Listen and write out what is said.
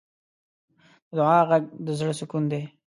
د دعا غږ د زړۀ سکون دی.